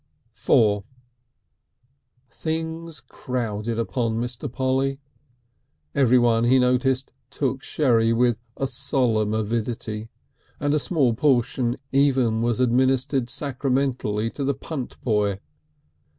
IV Things crowded upon Mr. Polly. Everyone, he noticed, took sherry with a solemn avidity, and a small portion even was administered sacramentally to the Punt boy.